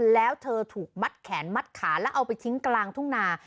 แล้วเธอถูกมัดแขนมัดขาแล้วเอาไปทิ้งกลางทุ่งนา